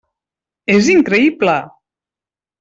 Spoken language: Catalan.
És increïble!